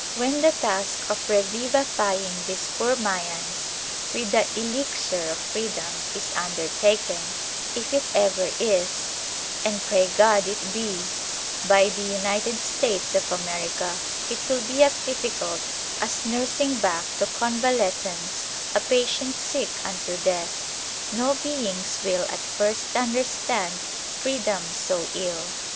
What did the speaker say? When the task of revivifying these poor Mayans with the elixir of freedom is undertaken, if it ever is (and pray God it be), by the United States of America, it will be as difficult as nursing back to convalescence a patient sick unto death. No beings will at first understand freedom so ill.